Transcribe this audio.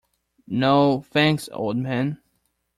No, thanks, old man.